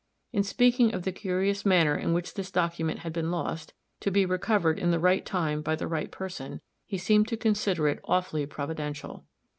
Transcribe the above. In speaking of the curious manner in which this document had been lost, to be recovered in the right time by the right person, he seemed to consider it almost awfully providential.